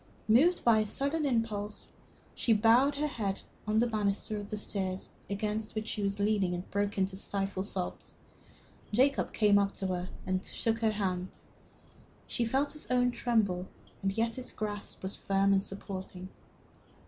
Moved by a sudden impulse, she bowed her head on the banister of the stairs against which she was leaning and broke into stifled sobs. Jacob Delafield came up to her and took her hand. She felt his own tremble, and yet its grasp was firm and supporting.